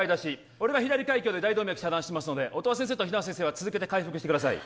俺が左開胸で大動脈遮断しますので音羽先生と比奈先生は続けて開腹してください